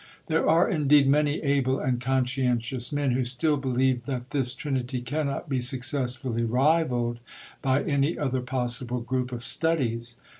There are, indeed, many able and conscientious men who still believe that this trinity cannot be successfully rivalled by any other possible group of studies.